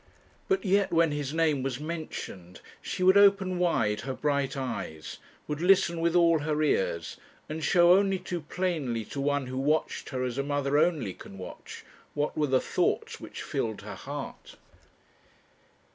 But yet, when his name was mentioned, she would open wide her bright eyes, would listen with all her ears, and show only too plainly to one who watched her as a mother only can watch, what were the thoughts which filled her heart.